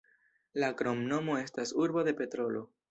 La kromnomo estas "urbo de petrolo".